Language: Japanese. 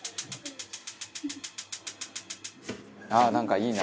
「ああなんかいいな」